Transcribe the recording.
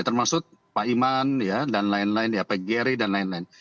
termasuk pak iman dan lain lain ya pak geri dan lain lain